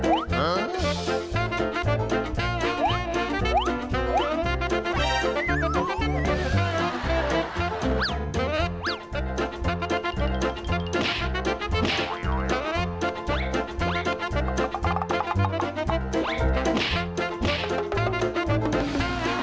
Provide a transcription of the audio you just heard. อืม